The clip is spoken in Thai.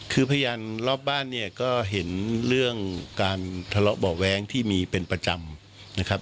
คือพยานรอบบ้านเนี่ยก็เห็นเรื่องการทะเลาะเบาะแว้งที่มีเป็นประจำนะครับ